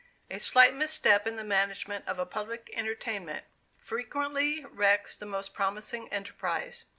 A slight misstep in the management of a public entertainment, frequently wrecks the most promising enterprise.